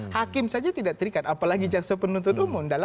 hakim saja tidak terikat apalagi jaksa penuntut umum